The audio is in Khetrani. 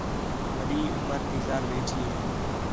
وݙّی عُمر تی ذال ویٹھی ہِے